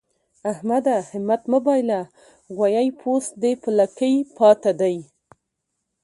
احمده! همت مه بايله؛ غويی پوست دی په لکۍ پاته دی.